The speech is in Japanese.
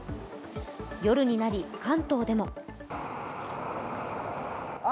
夜になり、関東でもあ！